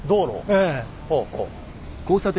ええ。